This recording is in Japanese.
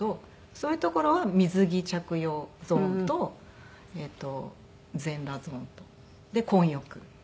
そういう所は水着着用ゾーンと全裸ゾーンとで混浴。